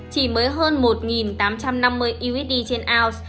chỉ mới hơn một tám trăm năm mươi usd trên ounce